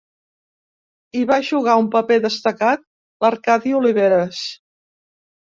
Hi va jugar un paper destacat l'Arcadi Oliveres.